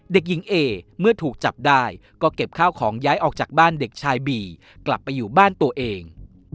เด็กหญิงเอเมื่อถูกจับได้ก็เก็บข้าวของย้ายออกจากบ้านเด็กชายบีกลับไปอยู่บ้านตัวเอง